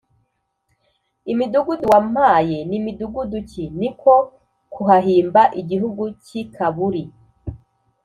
imidugudu wampaye ni midugudu ki?” Ni ko kuhahimba igihugu cy’i Kabuli